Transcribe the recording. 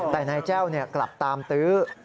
แต่นายแจ้วกลับตามตื้อ